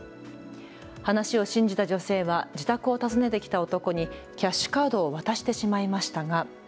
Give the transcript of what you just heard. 話を信じた女性は自宅を訪ねてきた男にキャッシュカードを渡してしまいましたが。